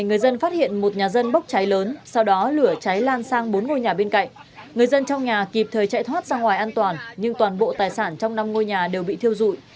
người dân phát hiện một nhà dân bốc cháy lớn sau đó lửa cháy lan sang bốn ngôi nhà bên cạnh người dân trong nhà kịp thời chạy thoát ra ngoài an toàn nhưng toàn bộ tài sản trong năm ngôi nhà đều bị thiêu dụi